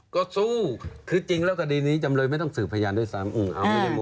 ก็สู้คือจริงแล้วคดีนี้จำเลยไม่ต้องสืบพยานด้วยซ้ำ